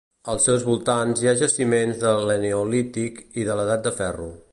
Als seus voltants hi ha jaciments de l'eneolític i de l'Edat de Ferro.